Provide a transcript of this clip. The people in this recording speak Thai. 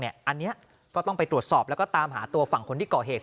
อันนี้ก็ต้องไปตรวจสอบแล้วก็ตามหาตัวฝั่งคนที่ก่อเหตุ